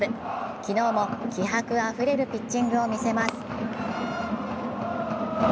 昨日も気迫あふれるピッチングを見せます。